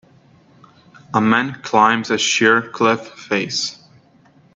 A man climbs a sheer cliff face